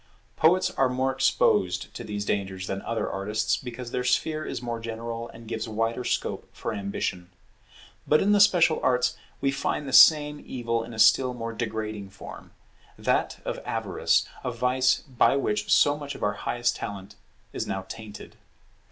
Poets are more exposed to these dangers than other artists, because their sphere is more general and gives wider scope for ambition. But in the special arts we find the same evil in a still more degrading form; that of avarice, a vice by which so much of our highest talent is now tainted.